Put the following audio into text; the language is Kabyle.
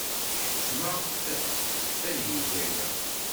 Ḥettmeɣ-t ad yeg aya.